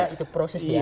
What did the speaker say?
itu proses biasa